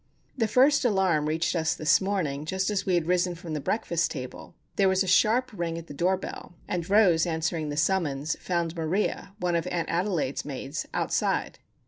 The first alarm reached us this morning, just as we had risen from the breakfast table. There was a sharp ring at the door bell; and Rose, answering the summons, found Maria, one of Aunt Adelaide's maids, outside.